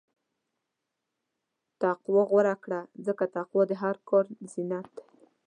تقوی غوره کړه، ځکه تقوی د هر کار زینت دی.